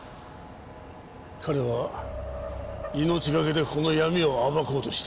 彼は命懸けでこの闇を暴こうとしている。